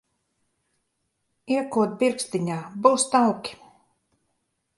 Iekod pirkstiņā, būs tauki.